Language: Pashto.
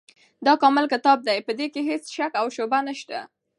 دا کامل کتاب دی، په دي کي هيڅ شک او شبهه نشته